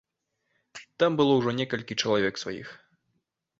Там было ўжо некалькі чалавек сваіх.